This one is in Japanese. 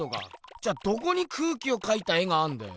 じゃあどこに空気を描いた絵があんだよ。